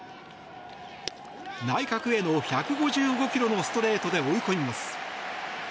内角への１５５ｋｍのストレートで追い込みます。